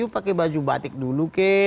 pakai baju batik dulu